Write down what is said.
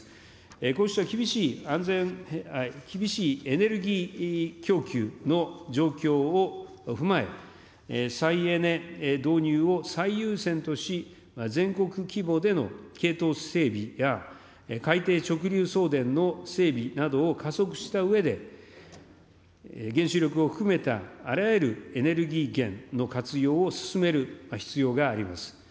こうした厳しいエネルギー供給の状況を踏まえ、再エネ導入を最優先とし、全国規模での系統整備や、海底直流送電の整備などを加速したうえで、原子力を含めたあらゆるエネルギー源の活用を進める必要があります。